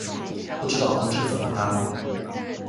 不知道公车怎么搭